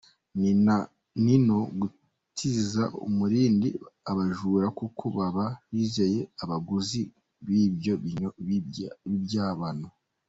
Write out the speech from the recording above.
Ni no gutiza umurindi abajura kuko baba bizeye abaguzi b’ibyo byibano.